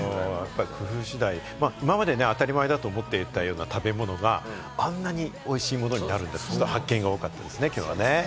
今まで当たり前だと思っていた食べ物があんなにおいしいものになると、発見が多かったですね、今日は。